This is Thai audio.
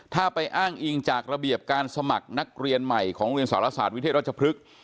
ถ้าไปอ้างอิงจากระเบียบการสมัครนักเรียนใหม่ของโรงเรียนสารศาสตร์วิเทศรัชพฤกษ์